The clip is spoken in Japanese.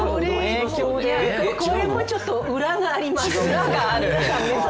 これもちょっと裏があります。